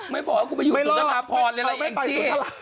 มั้ยพอว่ากูไปอยู่สุทธาระพรหิแหงนจิ